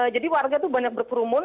jadi warga tuh banyak berperumun